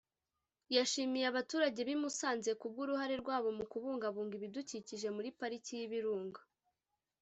yashimiye abaturage b’i Musanze ku bw’uruhare rwabo mu kubungabunga ibidukikije muri Pariki y’Ibirunga